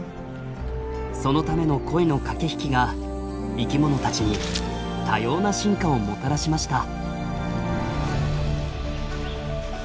そのための恋の駆け引きが生きものたちに多様な進化をもたらしました。